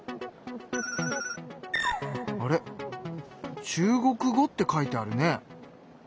あれ「中国語」って書いてあるね？